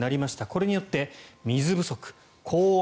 これによって水不足、高温